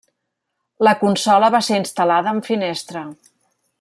La consola va ser instal·lada en finestra.